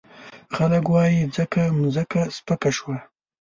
خلګ وايي ځکه مځکه سپکه شوه.